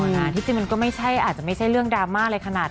นะที่จริงมันก็ไม่ใช่อาจจะไม่ใช่เรื่องดราม่าอะไรขนาด